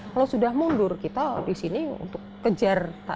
kalau sudah mundur kita disini untuk kejar